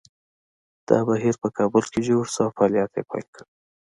دا بهیر په کابل کې جوړ شو او فعالیت یې پیل کړ